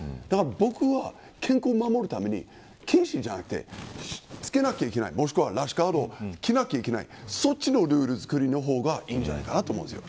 僕は、健康を守るために禁止じゃなくてつけなきゃいけないもしくはラッシュガードを着なきゃいけないというルール作りの方がいいと思います。